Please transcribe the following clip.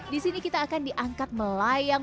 di sini kita akan diangkat melayang